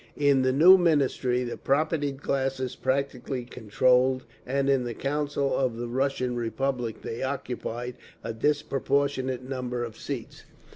In the new Ministry the propertied classes practically controlled, and in the Council of the Russian Republic they occupied a disproportionate number of seats.